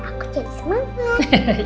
iya aku jadi semangat